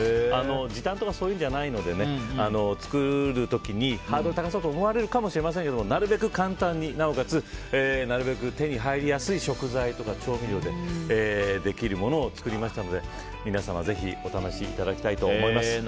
時短とかそういうのじゃないので作る時にハードル高そうと思われないようになるべく簡単に、なおかつなるべく手に入りやすい食材とか調味料でできるものを作りましたので皆様ぜひお試しいただきたいと思います。